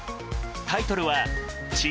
タイトルは「チ。